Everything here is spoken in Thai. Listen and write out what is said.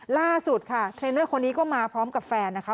ล่าสุดค่ะเทรนเนอร์คนนี้ก็มาพร้อมกับแฟนนะคะ